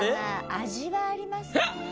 味はありますね。